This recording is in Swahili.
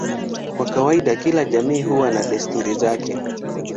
Kwa kawaida kila jamii huwa na desturi zake.